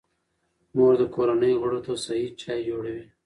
مور د کورنۍ غړو ته صحي چای جوړوي.